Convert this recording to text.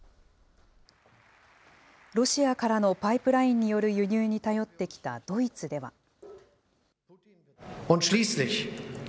ロシアからのパイプラインによる輸入に頼ってきたドイツでは。